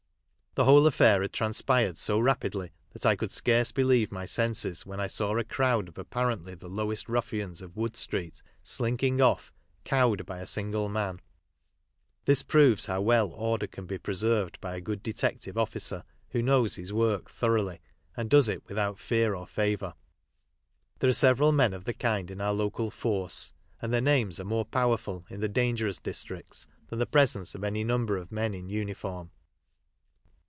The whole affair had transpired so rapidly that I could scarce believe my senses when I saw a crowd of apparently the lowest ruffians of Wood street slinking off, cowed by a single man. This proves how well order can be preserved by a good detective officer who knows his work thoroughly and does it are several men of the kind in our local force, and their names are more powerful in the "dangerous" districts than the presence of any number of men in uniform.